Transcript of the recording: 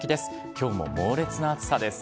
きょうも猛烈な暑さです。